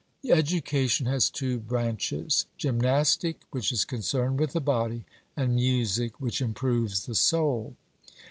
Education has two branches gymnastic, which is concerned with the body; and music, which improves the soul.